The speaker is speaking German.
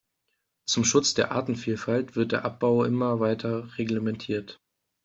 Zum Schutz der Artenvielfalt wird der Abbau immer weiter reglementiert.